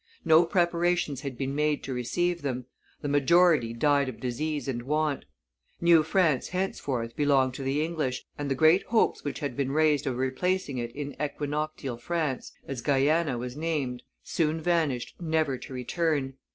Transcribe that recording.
No preparations had been made to receive them; the majority died of disease and want; New France henceforth belonged to the English, and the great hopes which had been raised of replacing it in Equinoctial France, as Guiana was named, soon vanished never to return.